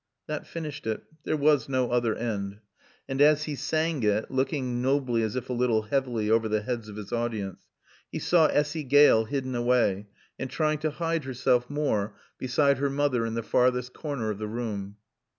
'" That finished it. There was no other end. And as he sang it, looking nobly if a little heavily over the heads of his audience, he saw Essy Gale hidden away, and trying to hide herself more, beside her mother in the farthest corner of the room.